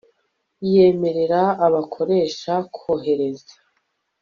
Yemerera abakoresha kohereza